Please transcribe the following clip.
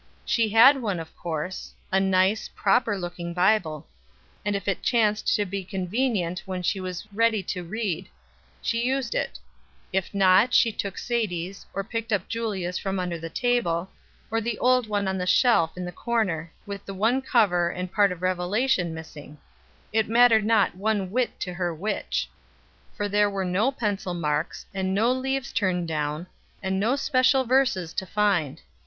She had one, of course a nice, proper looking Bible and if it chanced to be convenient when she was ready to read, she used it; if not, she took Sadie's, or picked up Julia's from under the table, or the old one on a shelf in the corner, with one cover and part of Revelation missing it mattered not one whit to her which for there were no pencil marks, and no leaves turned down, and no special verses to find.